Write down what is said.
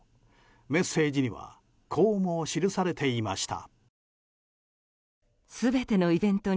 メッセージにはこうも記されていました。